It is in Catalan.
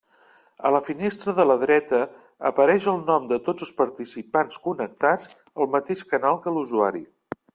A la finestra de la dreta apareix el nom de tots els participants connectats al mateix canal que l'usuari.